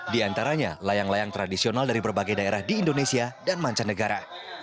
di antaranya layang layang tradisional dari berbagai daerah di indonesia dan mancanegara